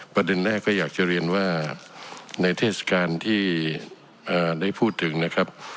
ประเด็นแรกก็อยากจะเรียนว่าในเทศกาลที่ได้พูดถึงนะครับ